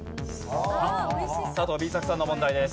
佐藤Ｂ作さんの問題です。